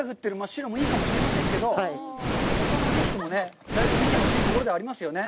白もいいかもしれませんけど、ほかの景色もね、だいぶ見てほしいところではありますよね。